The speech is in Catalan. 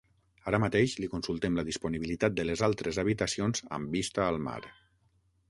Ara mateix li consultem la disponibilitat de les altres habitacions amb vista al mar.